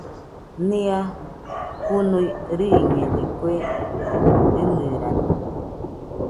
Nia jinui riiñede kue ɨnɨrano